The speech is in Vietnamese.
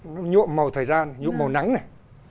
nó nhuộm màu thời gian nhuộm màu nắng này